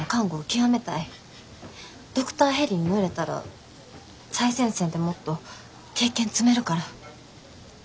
ドクターヘリに乗れたら最前線でもっと経験積めるから。